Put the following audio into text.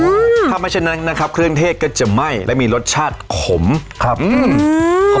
อืมถ้าไม่ฉะนั้นนะครับเครื่องเทศก็จะไหม้และมีรสชาติขมครับอืม